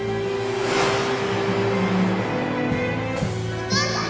お父さん！！